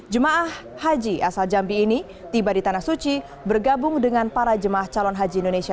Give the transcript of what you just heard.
jemaah haji asal jambi ini tiba di tanah suci bergabung dengan para jemaah calon haji indonesia